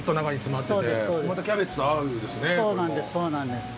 またキャベツと合うんですね。